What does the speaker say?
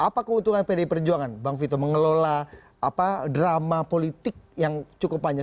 apa keuntungan pdi perjuangan bang vito mengelola drama politik yang cukup panjang